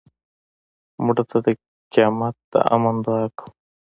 مړه ته د قیامت د امن دعا کوو